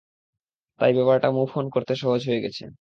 তাই ব্যাপারটা মুভ-অন করতে সহজ হয়ে গেছে।